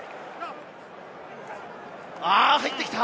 入ってきた！